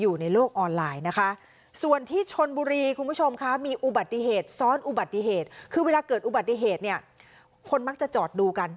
อุบัติเหตุคือเวลาเกิดอุบัติเหตุเนี่ยคนมักจะจอดดูกัน